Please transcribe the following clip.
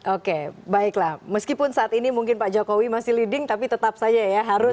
oke baiklah meskipun saat ini mungkin pak jokowi masih leading tapi tetap saja ya harus